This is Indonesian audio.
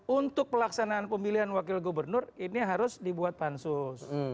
untuk pelaksanaan pemilihan wakil gubernur ini harus dibuat pansus